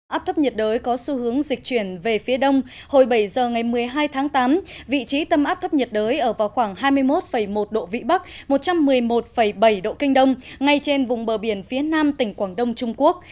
áp thấp nhiệt đới có xu hướng dịch chuyển về phía đông hồi bảy giờ ngày một mươi hai tháng tám vị trí tâm áp thấp nhiệt đới ở vào khoảng hai mươi một một độ vĩ bắc một trăm một mươi một bảy độ kinh đông ngay trên vùng bờ biển phía nam tỉnh quảng đông trung quốc